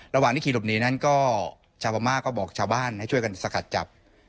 ระหว่างที่ขี่หลบหนีนั้นก็ชาวพม่าก็บอกชาวบ้านให้ช่วยกันสกัดจับ